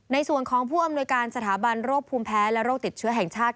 ในส่วนของผู้อำนวยการสถาบันโรคภูมิแพ้และโรคติดเชื้อแห่งชาติ